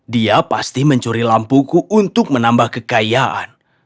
dia pasti mencuri lampuku untuk menambah kekayaan